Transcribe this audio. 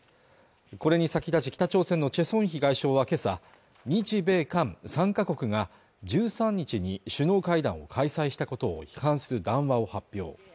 これに先立ち北朝鮮のチェ・ソンヒ外相はけさ日米韓３カ国が１３日に首脳会談を開催したことを批判する談話を発表